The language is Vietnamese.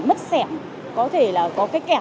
mất xẻo có thể là có cái kẻ